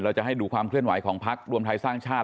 จะให้ดูความเคลื่อนไหวของพักรวมไทยสร้างชาติ